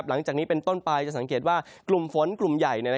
หลังจากนี้เป็นต้นไปจะสังเกตว่ากลุ่มฝนกลุ่มใหญ่